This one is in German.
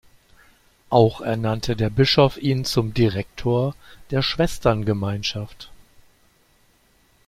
Auch ernannte der Bischof ihn zum Direktor der Schwesterngemeinschaft.